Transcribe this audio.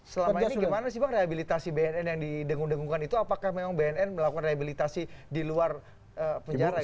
selama ini gimana sih bang rehabilitasi bnn yang didengung dengungkan itu apakah memang bnn melakukan rehabilitasi di luar penjara